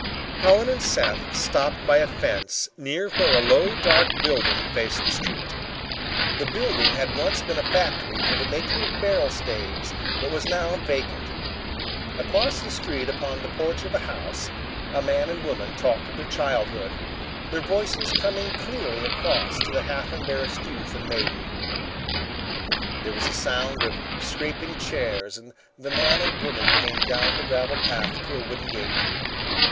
Helen and Seth stopped by a fence near where a low dark building faced the street. The building had once been a factory for the making of barrel staves but was now vacant. Across the street upon the porch of a house a man and woman talked of their childhood, their voices coming dearly across to the half embarrassed youth and maiden. There was the sound of scraping chairs and the man and woman came down the gravel path to a wooden gate.